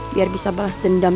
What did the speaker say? biar bisa balas dendam